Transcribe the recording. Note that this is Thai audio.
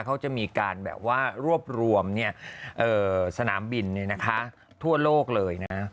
เขาจะมีการแบบว่ารวบรวมสนามบินทั่วโลกเลยนะ